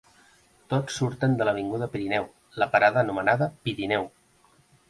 Tots surten de l'avinguda Pirineu, la parada anomenada "Pirineu".